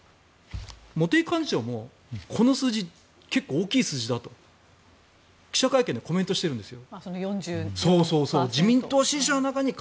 茂木幹事長もこの数字結構大きい数字だと記者会見でコメントしてるんです。